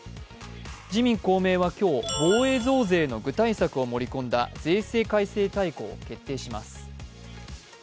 自民・公明は今日、防衛増税の具体策を盛り込んだ税制改正大綱を決定します。